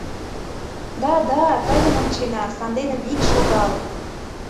Да-да, тыйым ончена, сандене вик шогал!